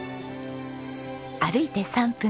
歩いて３分。